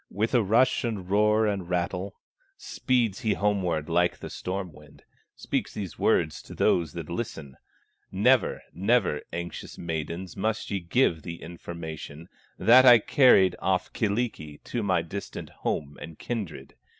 With a rush, and roar, and rattle, Speeds he homeward like the storm wind, Speaks these words to those that listen: "Never, never, anxious maidens, Must ye give the information, That I carried off Kyllikki To my distant home and kindred.